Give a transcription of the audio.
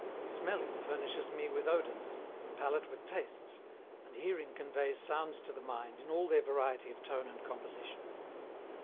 Smelling furnishes me with odours; the palate with tastes; and hearing conveys sounds to the mind in all their variety of tone and composition.